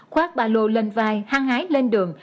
khoác bà lô lên vai hăng hái lên đường